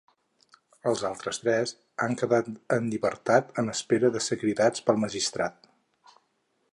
Els altres tres han quedat en llibertat en espera de ser cridats pel magistrat.